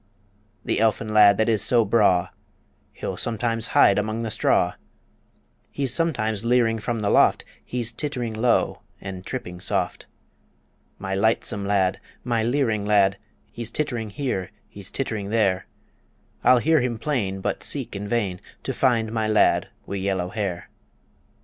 The elfin lad that is so braw, He'll sometimes hide among the straw; He's sometimes leering from the loft He's tittering low and tripping soft. My lightsome lad, my leering lad, He's tittering here; he's tittering there I'll hear him plain, but seek in vain To find my lad wi' yellow hair.